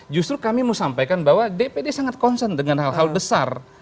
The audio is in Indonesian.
justru kami mau sampaikan bahwa dpd sangat concern dengan hal hal besar